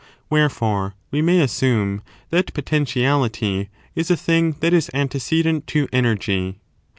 Wherefore, we may assume that potentiality is a thing that is antecedent to energy.